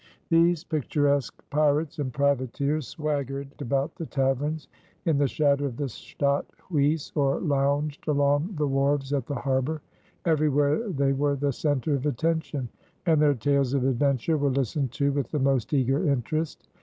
These picturesque pirates and privateers swaggered about the taverns in the shadow of the Stadt Huys or lounged along the wharves at the harbor. Everywhere they were the center of attention, and their tales of adventure were listened to with the most eager interest.